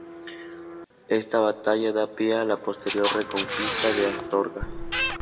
Esta batalla da pie a la posterior reconquista de Astorga.